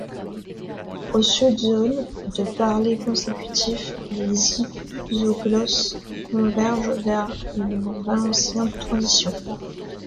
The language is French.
Au sud, zones de parler consécutif, les isoglosses convergent vers le valencien de transition.